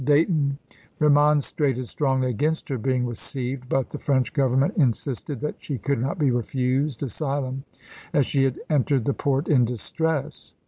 Dayton remonstrated strongly against her being received, but the French Government in sisted that she could not be refused asylum as she had entered the port in distress.